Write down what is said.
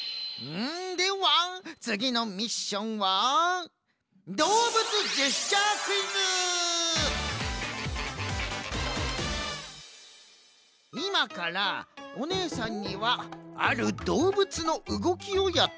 ではつぎのミッションはいまからおねえさんにはあるどうぶつのうごきをやってもらいます。